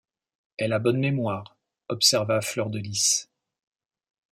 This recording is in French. Elle a bonne mémoire, observa Fleur-de-Lys.